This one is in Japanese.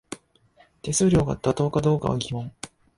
手数料が妥当かどうかは疑問